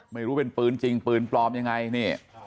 ไม่รู้เป็นปืนจริงปืนปลอมยังไงนี่